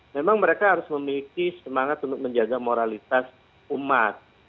memang mereka harus memiliki semangat untuk menjaga moralitas umat